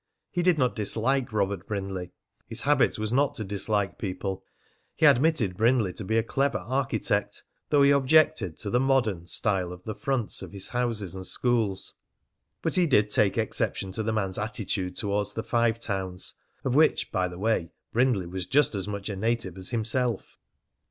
He did not dislike Robert Brindley, his habit was not to dislike people; he admitted Brindley to be a clever architect, though he objected to the "modern" style of the fronts of his houses and schools. But he did take exception to the man's attitude towards the Five Towns, of which, by the way, Brindley was just as much a native as himself.